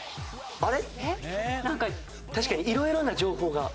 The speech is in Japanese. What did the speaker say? あれ？